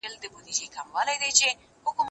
زه به سبا کتابونه ليکم!؟